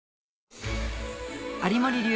有森流